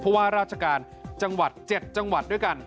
เพราะว่าราชการจังหวัด๗จังหวัดด้วยกัน